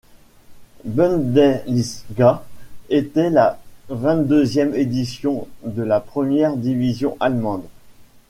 Bundesliga était la vingt-deuxième édition de la première division allemande.